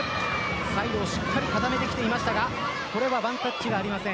最後しっかり固めてきていましたがこれはワンタッチはありません。